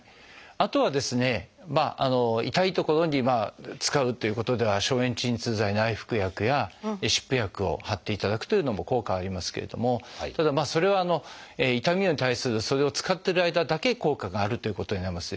あとはですね痛い所に使うということでは消炎鎮痛剤内服薬や湿布薬を貼っていただくというのも効果はありますけれどただそれは痛みに対するそれを使ってる間だけ効果があるということになります。